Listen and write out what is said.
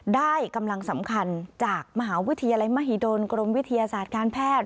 ได้กำลังสำคัญจากมหาวิทยาลัยมหิดลกรมวิทยาศาสตร์การแพทย์